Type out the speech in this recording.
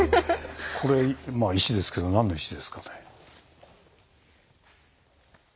これ石ですけど何の石ですかね？